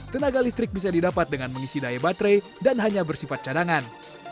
tenaga listrik bisa didapat dengan mengisi daya baterai dan hanya bersifat cadangan